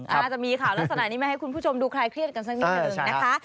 อาจจะมีข่าวลักษณะนี้มาให้คุณผู้ชมดูคลายเครียดกันสักนิดหนึ่งนะคะ